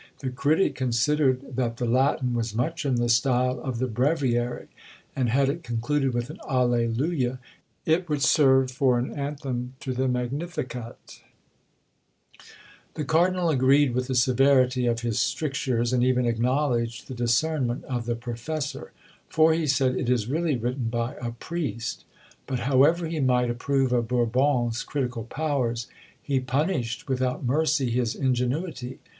The critic considered that the Latin was much in the style of the breviary; and, had it concluded with an allelujah, it would serve for an anthem to the magnificat. The cardinal agreed with the severity of his strictures, and even acknowledged the discernment of the professor; "for," he said, "it is really written by a priest." But however he might approve of Bourbon's critical powers, he punished without mercy his ingenuity.